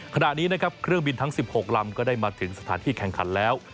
ขณะนี้นะครับเครื่องบินทั้ง๑๖ลำก็ได้มาถึงสถานที่แข่งขันแล้ว